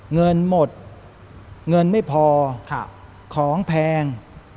เงินหมดเงินไม่พอของแพง